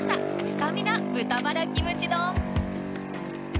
スタミナ豚バラキムチ丼。